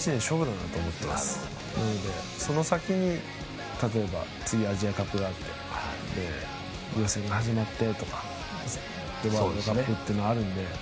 なので、その先に例えば次、アジアカップがあって予選が始まってとかワールドカップっていうのがあるので。